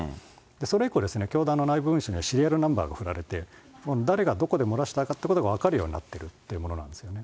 それ以降、教団の内部文書にはシリアルナンバーがふられて、誰がどこで漏らしたかということが分かるようになってるってもの